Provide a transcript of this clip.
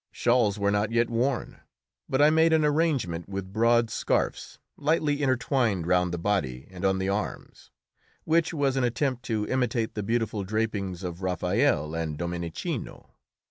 Shawls were not yet worn, but I made an arrangement with broad scarfs lightly intertwined round the body and on the arms, which was an attempt to imitate the beautiful drapings of Raphael and Domenichino.